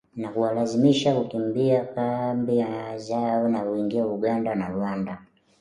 na kuwalazimu kukimbia kambi zao na kuingia Uganda na Rwanda